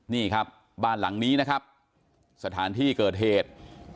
นี่ครับบ้านหลังนี้นะครับสถานที่เกิดเหตุ